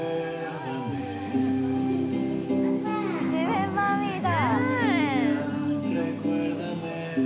「リメンバー・ミー」だ。